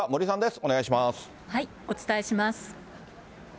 お伝えします。